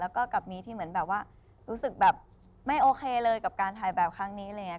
แล้วก็กับมีที่เหมือนแบบว่ารู้สึกแบบไม่โอเคเลยกับการถ่ายแบบครั้งนี้อะไรอย่างนี้